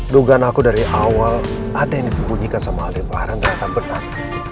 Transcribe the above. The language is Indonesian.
dugaan aku dari awal ada yang disembunyikan sama ali fahrang ternyata benar